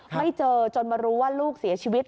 ไม่เจอจนมารู้ว่าลูกเสียชีวิต